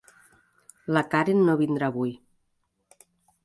La Karen no vindrà avui.